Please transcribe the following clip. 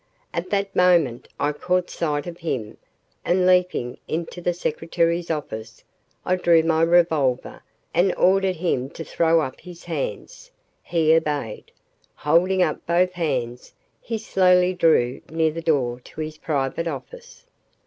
At that moment, I caught sight of him, and leaping into the secretary's office, I drew my revolver and ordered him to throw up his hands. He obeyed. Holding up both hands, he slowly drew near the door to his private office.